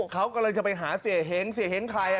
เขากลายจะไปหาเสียเฮ้งเสียเฮ้งใครล่ะ